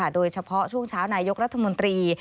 โดยเฉพาะช่วงเช้านายกรัฐมนตรี